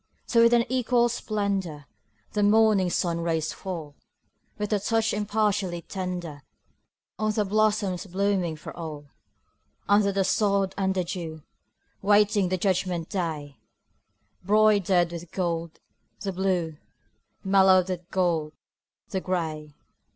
So with an equal splendor, The morning sun rays fall, With a touch impartially tender, On the blossoms blooming for all: Under the sod and the dew, Waiting the judgment day; Broidered with gold, the Blue, Mellowed with gold, the Gray.